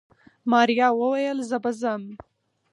ماريا وويل زه به ځم.